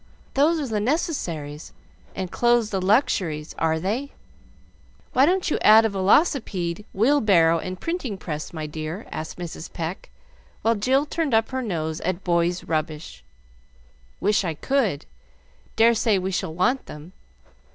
"Those are the necessaries and clothes the luxuries, are they? Why don't you add a velocipede, wheelbarrow, and printing press, my dear?" asked Mrs. Pecq, while Jill turned up her nose at "boys' rubbish." "Wish I could. Dare say we shall want them.